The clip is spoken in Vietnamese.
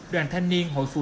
đoàn thanh niên hội phụ nữ